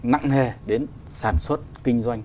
nặng hề đến sản xuất kinh doanh